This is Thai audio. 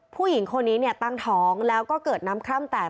ผู้หญิงคนนี้ตั้งท้องแล้วก็เกิดน้ำคร่ำแตก